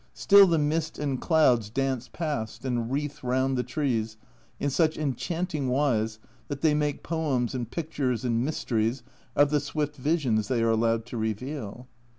Still the mist and clouds dance past and wreathe round the trees in such enchanting wise that they make poems and pictures and mysteries of the swift visions they are allowed to reveal.